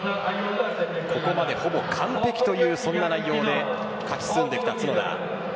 ここまでほぼ完璧という、そんな内容で勝ち進んできた角田。